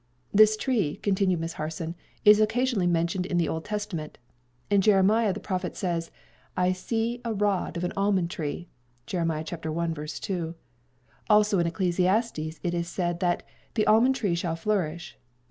"This tree," continued Miss Harson, "is occasionally mentioned in the Old Testament. In Jeremiah the prophet says, 'I see a rod of an almond tree;' also in Ecclesiastes it is said that 'the almond tree shall flourish.'"